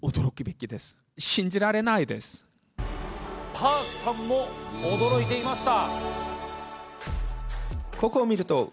Ｐａｒｋさんも驚いていました。